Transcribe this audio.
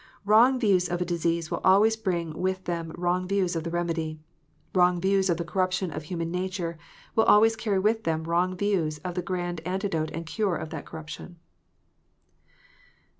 Wrong views of a disease will always bring with them wrong views of the remedy. Wrong views of the corruption of human nature will always carry with them wrong views of the grand antidote and cure of that corruption.